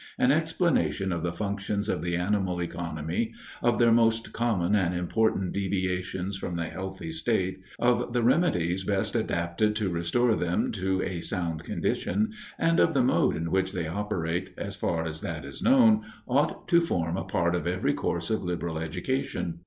An explanation of the functions of the animal economy; of their most common and important deviations from the healthy state; of the remedies best adapted to restore them to a sound condition, and of the mode in which they operate, as far as that is known, ought to form a part of every course of liberal education.